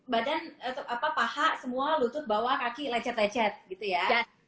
badan paha semua lutut bawa kaki lecet lecet gitu ya